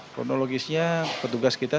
kronologisnya petugas kita